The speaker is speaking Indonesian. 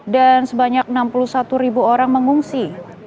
dan sebanyak enam puluh satu orang mengungsi